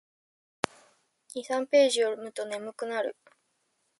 二三ページ読むと眠くなる